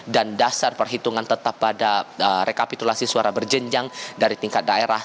dan dasar perhitungan tetap pada rekapitulasi suara berjenjang dari tingkat daerah